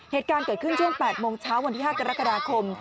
เหตุการณ์เกิดขึ้นช่วง๘โมงเช้าวันที่๕กรกฎาคม